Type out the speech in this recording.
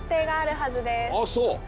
あっそう。